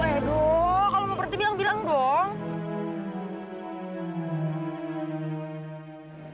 loh ya dok kalau mau pergi bilang bilang dong